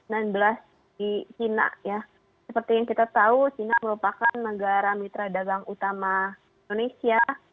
di china ya seperti yang kita tahu china merupakan negara mitra dagang utama indonesia